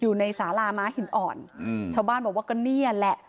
อยู่ในสาลาม้าหินอ่อนอืมชาวบ้านบอกว่าก็เนี่ยแหละ